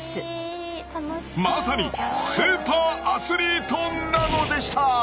まさにスーパーアスリートなのでした。